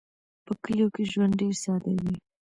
په کلیو کې ژوند ډېر ساده دی.